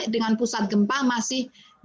dengan pusat gempa masih